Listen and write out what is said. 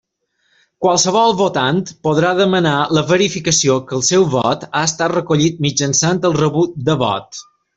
Qualsevol votant podrà demanar la verificació que el seu vot ha estat recollit mitjançant el rebut de vot.